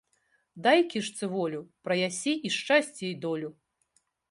Дай кішцы волю ‒ праясі і шчасце і долю